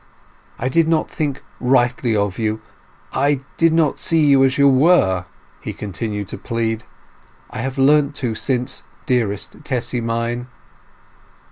"I did not think rightly of you—I did not see you as you were!" he continued to plead. "I have learnt to since, dearest Tessy mine!"